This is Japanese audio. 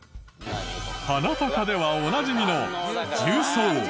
『ハナタカ！』ではおなじみの重曹。